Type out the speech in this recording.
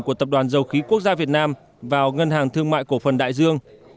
của tập đoàn dầu khí quốc gia việt nam vào ngân hàng thương mại cổ phần đại dương